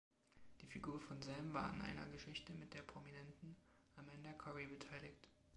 Die Figur von Sam war an einer Geschichte mit der Prominenten Amanda Cory beteiligt.